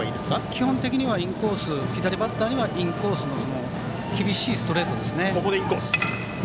基本的には左バッターにはインコースへ厳しいストレートですね。